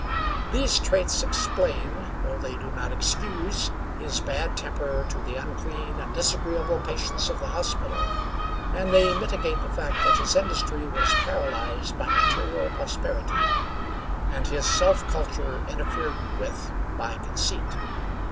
These traits explain, though they do not excuse, his bad temper to the unclean and disagreeable patients of the hospital, and they mitigate the fact that his industry was paralyzed by material prosperity, and his self culture interfered with by conceit.